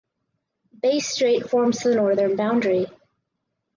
Bass Strait forms the northern boundary.